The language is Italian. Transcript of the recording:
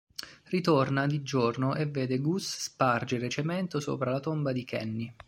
Ritorna di giorno e vede Gus spargere cemento sopra la tomba di Kenny.